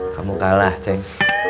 kamu kalah ceng